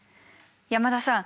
山田さん